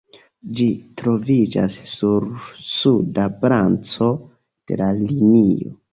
Ĝi troviĝas sur suda branĉo de la linio.